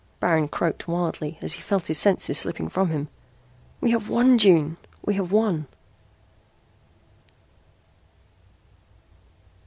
Baron croaked wildly as he felt his senses slipping from him. "We have won, June! We have won!"